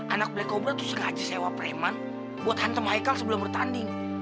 anak black cobra tuh sengaja sewa preman buat hantam haikal sebelum bertanding